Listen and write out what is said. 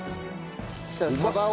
そしたらさばを。